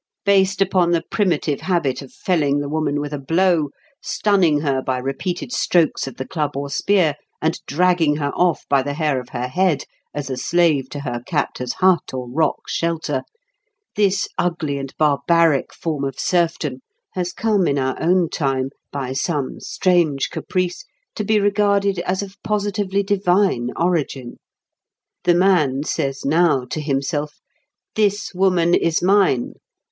Based upon the primitive habit of felling the woman with a blow, stunning her by repeated strokes of the club or spear, and dragging her off by the hair of her head as a slave to her captor's hut or rock shelter, this ugly and barbaric form of serfdom has come in our own time by some strange caprice to be regarded as of positively divine origin. The Man says now to himself, "This woman is mine.